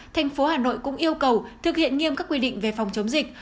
thành phố hà nội cũng yêu cầu thực hiện nghiêm các quy định về phòng chống dịch